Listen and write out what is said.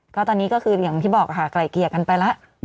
ก็ตอนนี้ก็คืออย่างที่บอกค่ะไกลเกลี่ยกันไปแล้ว